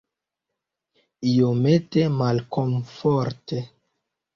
Iomete malkomforte.